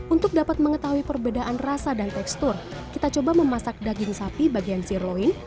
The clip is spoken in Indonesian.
untuk dapat mengetahui perbedaan rasa dan tekstur kita coba memasak daging sapi bagian sirloin